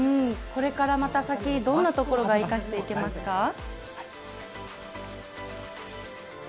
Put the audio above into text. これからまた先どんなところが生かしていけますか？